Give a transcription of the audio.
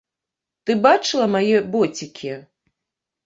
Ты бачыла мае боцікі?